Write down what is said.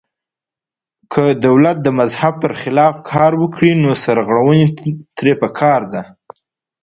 که دولت د مذهب پر خلاف کار وکړي نو سرغړونه ترې پکار ده.